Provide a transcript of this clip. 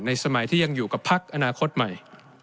สมัยที่ยังอยู่กับพักอนาคตใหม่